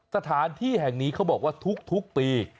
สถานที่แห่งนี้เขาบอกว่าทุกปี